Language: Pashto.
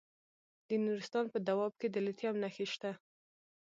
د نورستان په دو اب کې د لیتیم نښې شته.